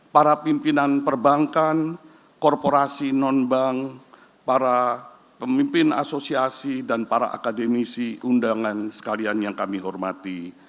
para pimpinan perbankan korporasi non bank para pemimpin asosiasi dan para akademisi undangan sekalian yang kami hormati